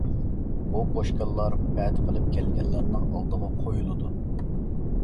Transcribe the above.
بۇ پوشكاللار پەتە قىلىپ كەلگەنلەرنىڭ ئالدىغا قۇيۇلىدۇ.